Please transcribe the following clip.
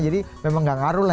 jadi memang nggak ngaruh lah